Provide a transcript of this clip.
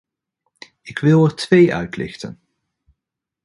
Ik wil er twee uitlichten.